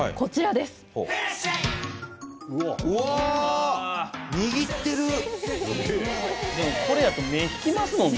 でもこれやと目引きますもんね。